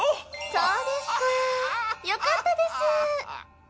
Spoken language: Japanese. そうですかよかったです。